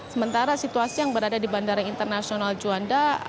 sementara situasi yang berada di bandara internasional juanda